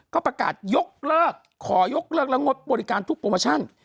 ก็ประกาศยกเลิกขอยกเลิกและงดบริการทุกโปรโมชั่น